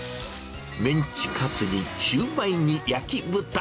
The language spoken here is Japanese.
メンチカツにシューマイに焼き豚。